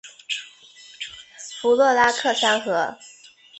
弗洛拉克三河。